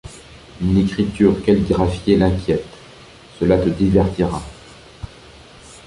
Une écriture calligraphiée l’inquiète : Cela te divertira.